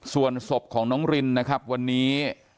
ส่วนศพของน้องรินนะครับวันนี้